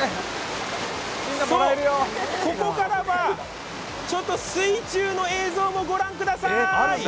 ここからは、水中の映像もご覧くださーい。